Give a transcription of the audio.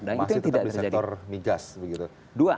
masih tetap di sektor migas begitu